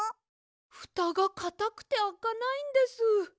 ふたがかたくてあかないんです。